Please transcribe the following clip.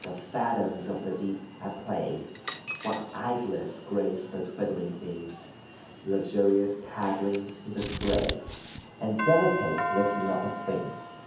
The phantoms of the deep at play! What idless graced the twittering things; Luxurious paddlings in the spray, And delicate lifting up of wings.